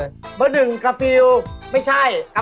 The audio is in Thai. เอกเก่งเต้นเอกดีไทย